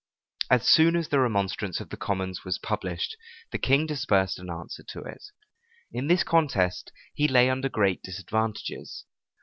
As soon as the remonstrance of the commons was published the king dispersed an answer to it. In this contest, he lay under great disadvantages.